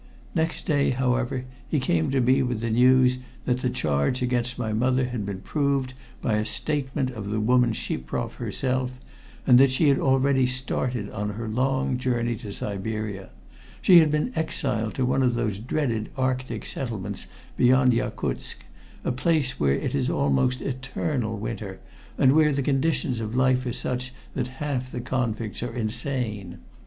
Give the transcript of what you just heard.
Next day, however, he came to me with the news that the charge against my mother had been proved by a statement of the woman Shiproff herself, and that she had already started on her long journey to Siberia she had been exiled to one of those dreaded Arctic settlements beyond Yakutsk, a place where it is almost eternal winter, and where the conditions of life are such that half the convicts are insane.